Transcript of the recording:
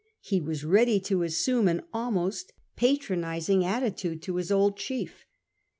He was ready to assume an almost patronising attitude to his old chief.